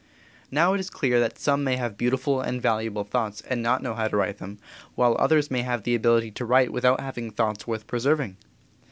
Now it is clear that some may have beautiful and valuable thoughts and not know how to write them, while others may have the ability to write without having thoughts worth preserving.